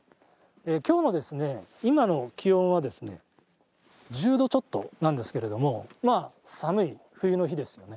今日の今の気温は１０度ちょっとなんですけれども寒い冬の日ですよね。